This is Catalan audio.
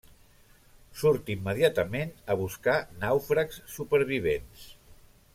Surt immediatament a buscar nàufrags supervivents.